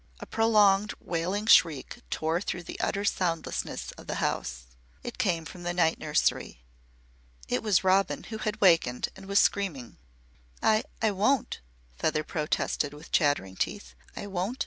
A prolonged wailing shriek tore through the utter soundlessness of the house. It came from the night nursery. It was Robin who had wakened and was screaming. "I I won't!" Feather protested, with chattering teeth. "I won't!